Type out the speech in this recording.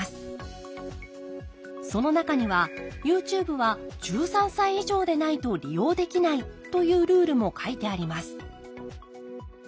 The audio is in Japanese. その中にはＹｏｕＴｕｂｅは１３歳以上でないと利用できないというルールも書いてあります